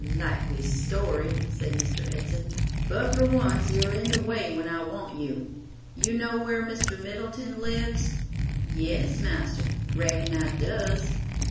"Likely story," said Mr. Edson; "but for once you are in the way when I want you. You know where Mr. Middleton lives?" "Yes, marster, reckon I does."